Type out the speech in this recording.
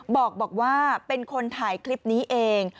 บอกว่าเป็นคนถ่ายคลิปนี้เอง